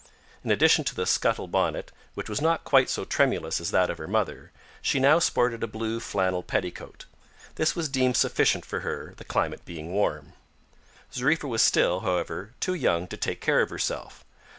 In addition to the scuttle bonnet which was not quite so tremulous as that of her mother, she now sported a blue flannel petticoat. This was deemed sufficient for her, the climate being warm. Zariffa was still, however, too young to take care of herself.